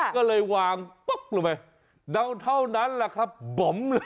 ก็เลยวางปุ๊บลงไปเดาเท่านั้นแหละครับ